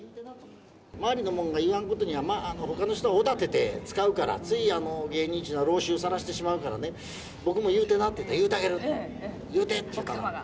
周りのもんが言わんことには、まあ、ほかの人はおだてて使うから、つい芸人というのは老醜さらしてしまうからね、僕も言うてなって言うてあげる、言うてって言ったら、奥様が？